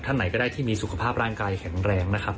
ไหนก็ได้ที่มีสุขภาพร่างกายแข็งแรงนะครับ